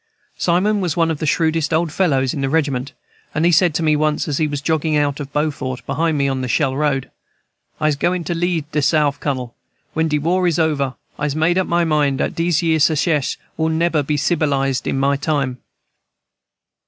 Simon was one of the shrewdest old fellows in the regiment, and he said to me once, as he was jogging out of Beaufort behind me, on the Shell Road, "I'se goin' to leave de Souf, Cunnel, when de war is over. I'se made up my mind dat dese yere Secesh will neber be cibilized in my time."